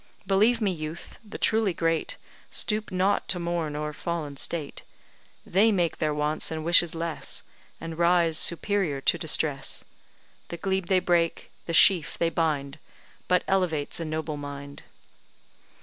Believe me, youth, the truly great Stoop not to mourn o'er fallen state; They make their wants and wishes less, And rise superior to distress; The glebe they break the sheaf they bind But elevates a noble mind.